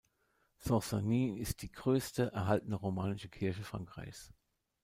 Saint-Sernin ist die größte erhaltene romanische Kirche Frankreichs.